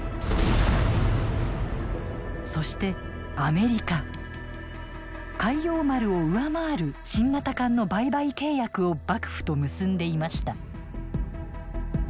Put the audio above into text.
そして開陽丸を上回る新型艦の売買契約を幕府と結んでいました。